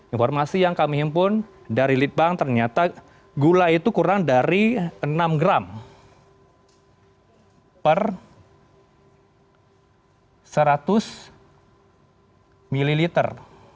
informasi yang kami impun dari litbang ternyata gula itu kurang dari enam gram per seratus mililiter